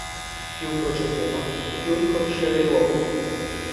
Più procedeva, più riconosceva i luoghi.